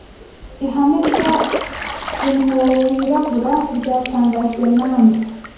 Ihame rya 'Umwobo wirabura' ryatangajwe na nde